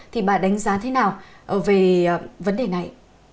thì bà đánh giá thế nào về vấn đề này